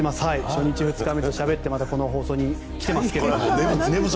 初日、２日目としゃべってこの放送に来ていますけど。